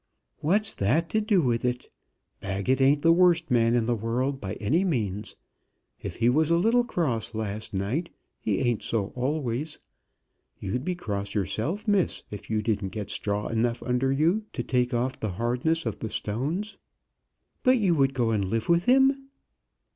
"What's that to do with it? Baggett ain't the worst man in the world by any means. If he was a little cross last night, he ain't so always. You'd be cross yourself, Miss, if you didn't get straw enough under you to take off the hardness of the stones." "But you would go and live with him."